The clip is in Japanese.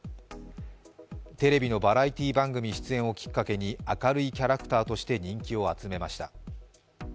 テレビのバラエティー番組出演をきっかけに明るいキャラクターとして人気を集めました。